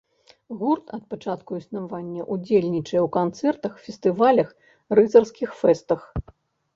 Гурт ад пачатку існавання ўдзельнічае ў канцэртах, фестывалях, рыцарскіх фэстах.